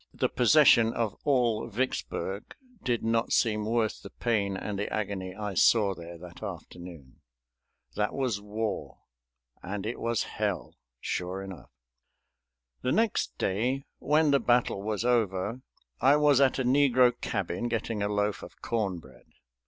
The possession of all Vicksburg did not seem worth the pain and the agony I saw there that afternoon. That was war; and it was "hell," sure enough. The next day, when the battle was over, I was at a negro cabin getting a loaf of corn bread.